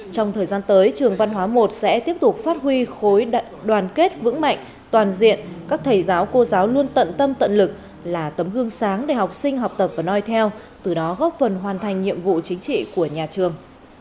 trong thời gian tới trường văn hóa một sẽ tiếp tục phát huy khối đại đoàn kết vững mạnh toàn diện các thầy giáo cô giáo luôn tận tâm tận lực là tấm gương sáng để học sinh học tập và nói theo từ đó góp phần hoàn thành nhiệm vụ chính trị của nhà trường